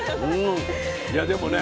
いやでもね